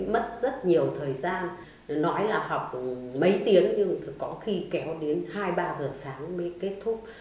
mất rất nhiều thời gian nói là học mấy tiếng nhưng có khi kéo đến hai ba giờ sáng mới kết thúc